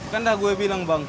kan dah gue bilang bang